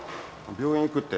病院行くって。